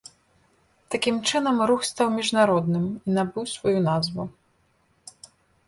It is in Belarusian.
Такім чынам рух стаў міжнародным і набыў сваю назву.